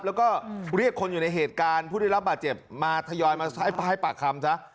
แล้วก็เรียกคนอยู่ในเหตุการณ์ผู้ได้รับบาดเจ็บมาทยอยมาให้ปากคำซะ